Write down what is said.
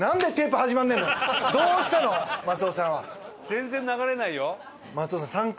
全然流れないよ。